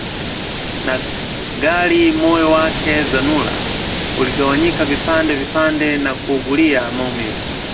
na gari moyo wake zanura uligawanyika vipande vipande na kuugulia maumivu